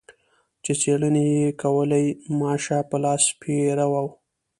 چې څېړنې یې کولې ماشه په لاس پیره و.